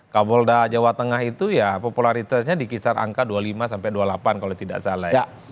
kapolda jawa tengah itu ya popularitasnya di kisar angka dua puluh lima sampai dua puluh delapan kalau tidak salah ya